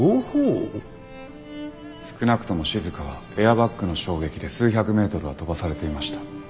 少なくともしずかはエアバッグの衝撃で数百メートルは飛ばされていました。